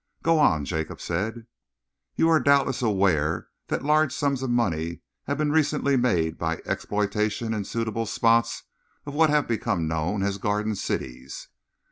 "Go on," Jacob said. "You are doubtless aware that large sums of money have recently been made by the exploitation in suitable spots of what have become known as Garden Cities."